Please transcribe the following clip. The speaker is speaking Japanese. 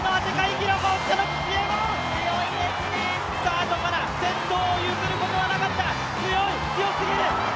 スタートから先頭を譲ることはなかった強い、強すぎる！